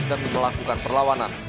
dan melakukan perlawanan